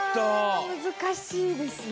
うわ難しいですね。